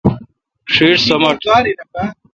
ݭیݭ سمٹ۔